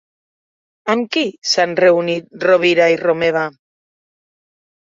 Amb qui s'han reunit Rovira i Romeva?